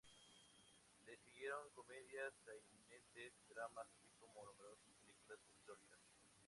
Le siguieron comedias, sainetes y dramas, así como numerosas películas folclóricas.